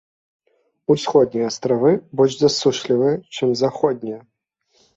Усходнія астравы больш засушлівыя, чым заходнія.